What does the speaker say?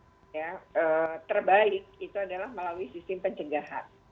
sebenarnya memang sistem pengawasan anak terbaik itu adalah melalui sistem pencegahan